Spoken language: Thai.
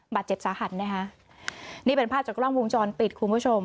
บาดเจ็บสาหัสนะคะนี่เป็นภาพจากกล้องวงจรปิดคุณผู้ชม